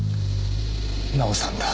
奈緒さんだ。